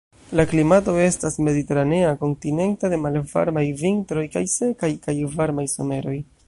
La klimato estas mediteranea kontinenta de malvarmaj vintroj kaj sekaj kaj varmaj someroj.